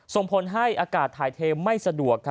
ส่งผลให้อากาศถ่ายเทไม่สะดวก